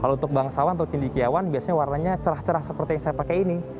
kalau untuk bangsawan atau cendikiawan biasanya warnanya cerah cerah seperti yang saya pakai ini